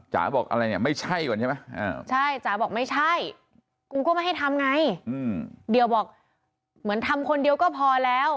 บอกอะไรเนี่ยไม่ใช่ก่อนใช่ไหมใช่จ๋าบอกไม่ใช่กูก็ไม่ให้ทำไงเดี๋ยวบอกเหมือนทำคนเดียวก็พอแล้ว